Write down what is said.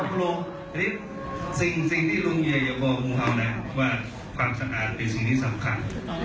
อื้มที่ลูงเยแยพ่อกูเอานะว่าความสะอาดเป็นสิ่งที่สำคัญ